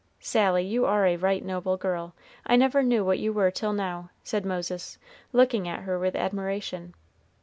"Sally, you are a right noble girl. I never knew what you were till now," said Moses, looking at her with admiration.